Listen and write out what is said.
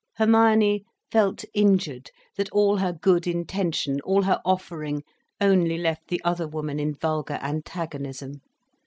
Hermione felt injured, that all her good intention, all her offering, only left the other woman in vulgar antagonism.